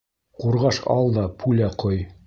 Ҡурғаш ал да, пуля ҡой.